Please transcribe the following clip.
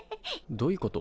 どういうこと？